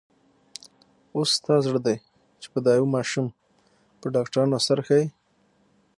اوس ستا زړه دی چې په دا يوه ماشوم په ډاکټرانو سر شې.